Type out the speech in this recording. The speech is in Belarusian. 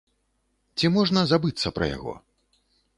Ці можна забыцца пра яго?